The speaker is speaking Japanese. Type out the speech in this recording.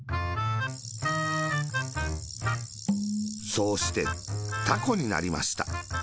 そうして、たこになりました。